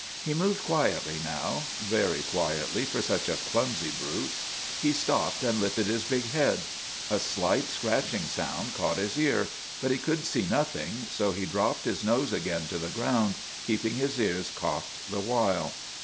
He moved quietly now very quietly for such a clumsy brute. He stopped and lifted his big head. A slight scratching sound caught his ear ; but he could see nothing, so he dropped his nose again to the ground, keeping his ears cocked the while.